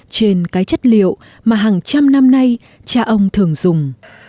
trên cái chất liệu mà hàng trăm năm nay cha ông thường dùng